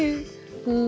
うん。